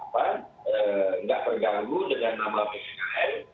tidak terganggu dengan nama ppkm